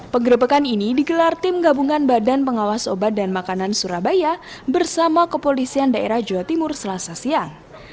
penggerebekan ini digelar tim gabungan badan pengawas obat dan makanan surabaya bersama kepolisian daerah jawa timur selasa siang